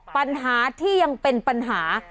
ปัญหาที่ยังเป็นปัญหา